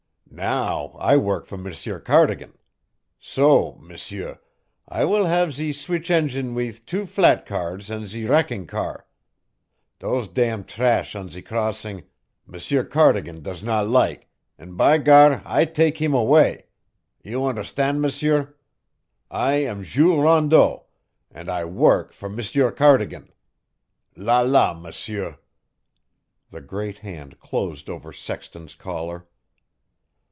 "Now I work for M'sieur Cardigan; so, M'sieur, I will have zee switchengine weeth two flat cars and zee wrecking car. Doze dam trash on zee crossing M'sieur Cardigan does not like, and by gar, I take heem away. You onderstand, M'sieur? I am Jules Rondeau, and I work for M'sieur Cardigan. La la, M'sieur!" The great hand closed over Sexton's collar.